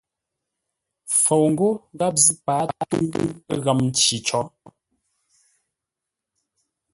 Fou ghó gháp zʉ́ pâa túŋ ghəm nci có.